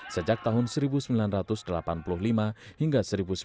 sejak tahun seribu sembilan ratus delapan puluh lima hingga seribu sembilan ratus sembilan puluh